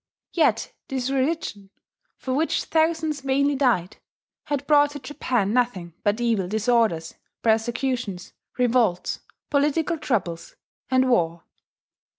Yet this religion, for which thousands vainly died, had brought to Japan nothing but evil disorders, persecutions, revolts, political troubles, and war.